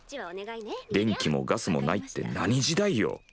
電気もガスもないって何時代よ。